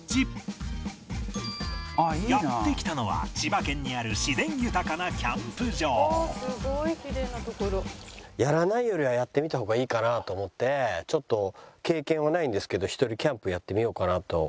やって来たのは千葉県にある自然豊かなキャンプ場やらないよりはやってみた方がいいかなと思ってちょっと経験はないんですけどひとりキャンプやってみようかなと。